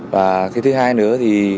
và thứ hai nữa